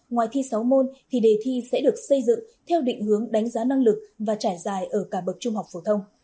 ngoài thi sáu môn thì đề thi sẽ được xây dựng theo định hướng đánh giá năng lực và trải dài ở cả bậc trung học phổ thông